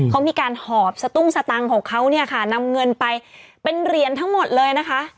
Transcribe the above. เขามีการหอบสตุ้งสตังค์ของเขาเนี่ยค่ะนำเงินไปเป็นเหรียญทั้งหมดเลยนะคะ